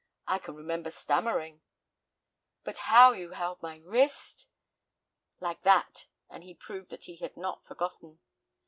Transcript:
"I can remember stammering." "And how you held my wrist?" "Like that," and he proved that he had not forgotten.